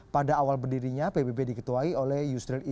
pada awal berdirinya pbb diketuai oleh yusril iza mahendra